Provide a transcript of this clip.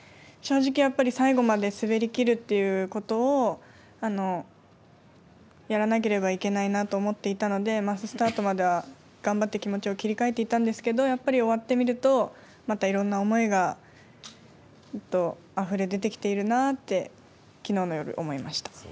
正直、やっぱり最後まで滑りきるということをやらなければいけないなと思っていたので、マススタートまでは頑張って気持ちを切り替えていたんですけれども、やっぱり終わってみると、またいろんな思いがあふれ出てきているなって、きのうの夜思いました。